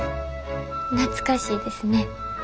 懐かしいですね。